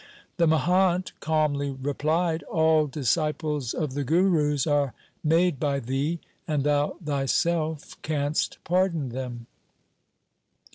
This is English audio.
The mahant calmly replied, ' All disciples of the Gurus are made by thee, and thou thyself canst pardon them.'